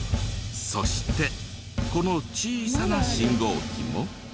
そしてこの小さな信号機も。